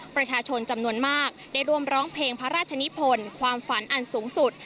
ประชาชนจำนวนมากได้ร่วมร้องเพลงพระราชนิพลความฝันอันสูงสุด